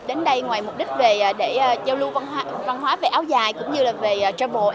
đến đây ngoài mục đích để giao lưu văn hóa về áo dài cũng như về travel